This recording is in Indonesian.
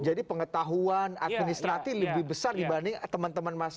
jadi pengetahuan administratif lebih besar dibanding tengah rock